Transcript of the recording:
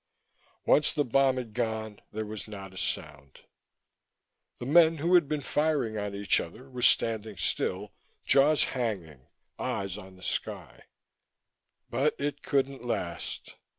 Once the bomb had gone, there was not a sound. The men who had been firing on each other were standing still, jaws hanging, eyes on the sky. But it couldn't last.